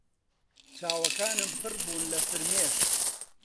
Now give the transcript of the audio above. چاوەکانم پڕ بوون لە فرمێسک.